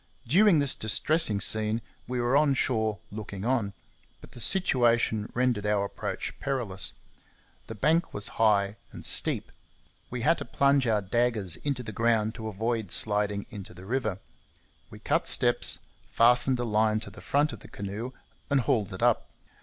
During this distressing scene we were on shore looking on; but the situation rendered our approach perilous. The bank was high and steep. We had to plunge our daggers into the ground to avoid sliding into the river. We cut steps, fastened a line to the front of the canoe, and hauled it up.